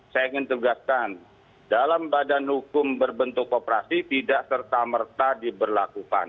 saya ingin tegaskan dalam badan hukum berbentuk kooperasi tidak serta merta diberlakukan